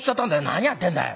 「何やってんだい」。